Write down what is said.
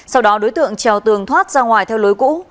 sau đó đối tượng treo tường thoát ra ngoài theo lối cũ